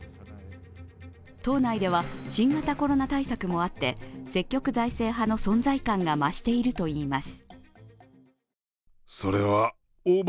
党内では新型コロナ対策もあって、積極財政派の存在感が増しているといいます。